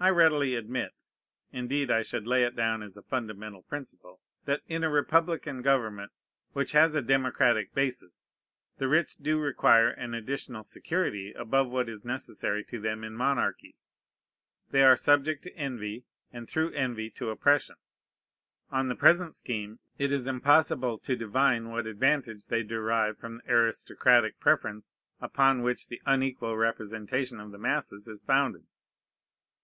I readily admit (indeed, I should lay it down as a fundamental principle) that in a republican government, which has a democratic basis, the rich do require an additional security above what is necessary to them in monarchies. They are subject to envy, and through envy to oppression. On the present scheme it is impossible to divine what advantage they derive from the aristocratic preference upon which the unequal representation of the masses is founded.